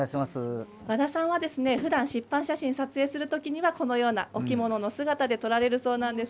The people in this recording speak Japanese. ふだん、湿板写真を撮影するときにはこのようなお着物の姿で撮られるそうです。